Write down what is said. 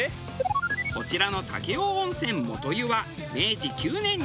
こちらの武雄温泉元湯は明治９年に建築。